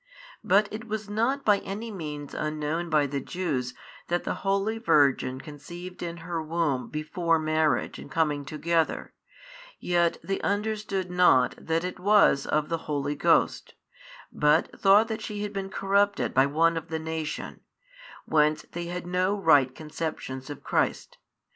But it was not by any means unknown by the Jews that the holy Virgin conceived in her womb before marriage and coming together, yet they understood not that it was of the Holy Ghost, but thought that she had been corrupted by one of the nation, whence they had no right conceptions of Christ.